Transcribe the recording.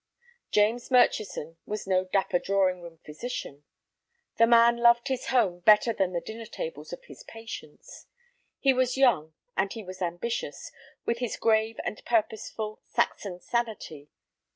James Murchison was no dapper drawing room physician. The man loved his home better than the dinner tables of his patients. He was young, and he was ambitious with his grave and purposeful Saxon sanity.